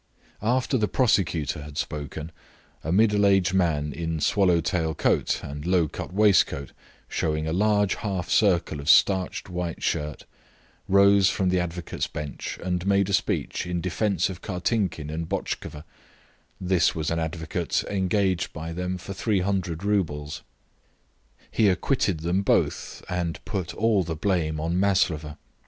After the prosecutor had spoken, a middle aged man in swallow tail coat and low cut waistcoat showing a large half circle of starched white shirt, rose from the advocates' bench and made a speech in defence of Kartinkin and Botchkova; this was an advocate engaged by them for 300 roubles. He acquitted them both and put all the blame on Maslova.